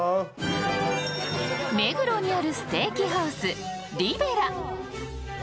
目黒にあるステーキハウスリベラ。